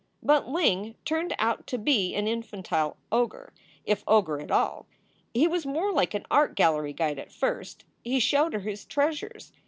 But Ling turned out to be an infantile ogre, if ogre at all. He was more like an art gallery guide at first. He showed her his treasures.